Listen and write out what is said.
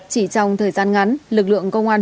chỉ trong thời gian ngắn lực lượng công an